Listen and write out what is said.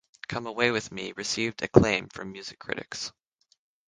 "Come Away with Me" received acclaim from music critics.